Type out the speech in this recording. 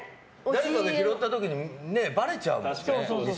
誰かが拾った時にばれちゃうもんね。